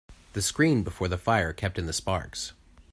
The screen before the fire kept in the sparks.